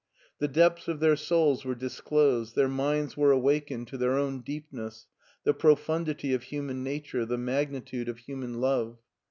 The depths of their souls were disclosed, their minds were awakened to their own deepness, the profundity of human nature, the magnitude of human love.